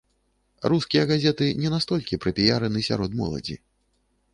Рускія газеты не настолькі прапіяраны сярод моладзі.